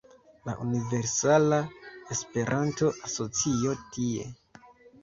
La Universala Esperanto-Asocio tie